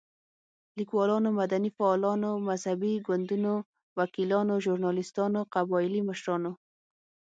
ليکوالانو، مدني فعالانو، مذهبي ګوندونو، وکيلانو، ژورناليستانو، قبايلي مشرانو